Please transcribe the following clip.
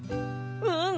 うん！